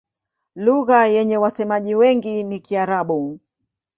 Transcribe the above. Lugha yenye wasemaji wengi ni Kiarabu.